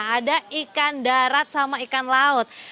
ada ikan darat sama ikan laut